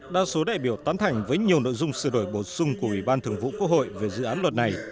đa số đại biểu tán thành với nhiều nội dung sửa đổi bổ sung của ủy ban thường vụ quốc hội về dự án luật này